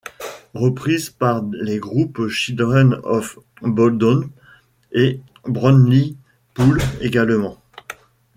Reprise par les groupes Children of bodom et Drowning Pool également.